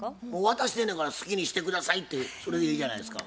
渡してんねやから好きにして下さいっていうそれでいいじゃないですか。